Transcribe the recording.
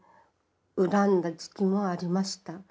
恨んだ時期もありました。